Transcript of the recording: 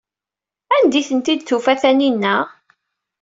Anda ay tent-id-tufa Taninna?